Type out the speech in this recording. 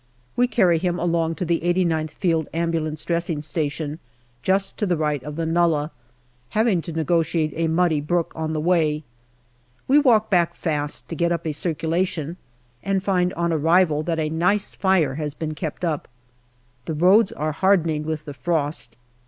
We carry him along to the 8gth Field Ambulance Dressing Station, just to the right of the nullah, having to negotiate a muddy brook on the way. We walk back fast, to get up a circula tion, and find on arrival that a nice fire has been kept up. The roads are hardening with the frost.